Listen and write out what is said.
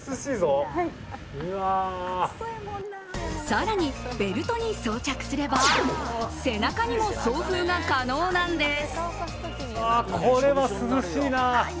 更に、ベルトに装着すれば背中にも送風が可能なんです。